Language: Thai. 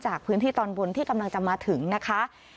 พื้นที่ตอนบนที่กำลังจะมาถึงนะคะ